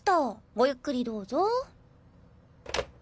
ごゆっくりどうぞ。